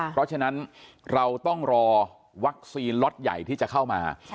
เพราะฉะนั้นเราต้องรอวัคซีนล็อตใหญ่ที่จะเข้ามา